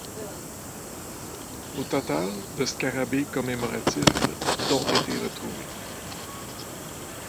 Au total, de scarabées commémoratifs d’ ont été retrouvés.